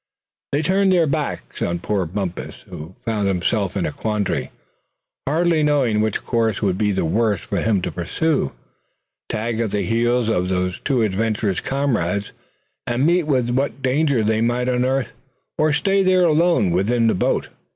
They turned their backs on poor Bumpus, who found himself in a quandary, hardly knowing which course would be the worse for him to pursue, tag at the heels of these two adventurous comrades, and meet with what danger they might unearth; or stay there alone with the boat.